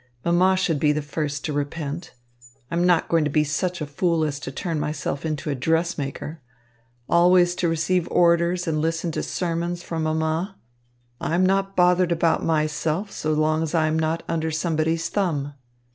Mamma should be the first to repent. I am not going to be such a fool as to turn myself into a dressmaker. Always to receive orders and listen to sermons from mamma! I am not bothered about myself so long as I am not under somebody's thumb."